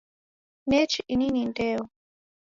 Nechi ini ni ndeo?